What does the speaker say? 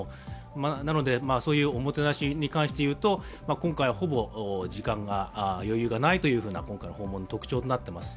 なのでそういうおもてなしに関していうと、今回ほとんど余裕がないというのが特徴になっています。